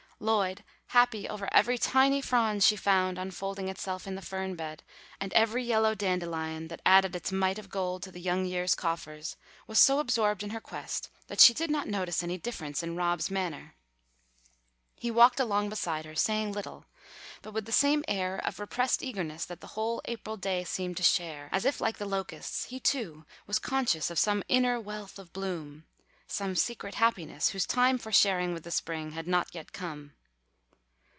Lloyd, happy over every tiny frond she found unfolding itself in the fern bed, and every yellow dandelion that added its mite of gold to the young year's coffers, was so absorbed in her quest that she did not notice any difference in Rob's manner. He walked along beside her, saying little, but with the same air of repressed eagerness that the whole April day seemed to share, as if like the locusts, he too was conscious of some inner wealth of bloom, some secret happiness whose time for sharing with the spring had not yet come.